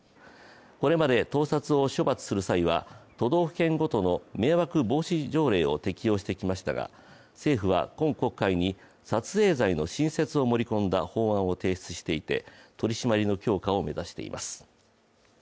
これまで盗撮を処罰する際は都道府県ごとの迷惑防止条例を適用してきましたが政府は今国会に撮影罪の新設を盛り込んだ法案を提出していて取り締まりの強化を目指しています。